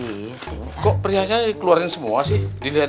mi kok perhiasannya dikeluarin semua sih